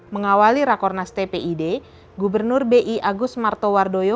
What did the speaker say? mengawali rakornas tpid gubernur bi agus martowardoyo